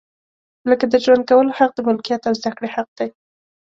لکه د ژوند کولو حق، د ملکیت او زده کړې حق دی.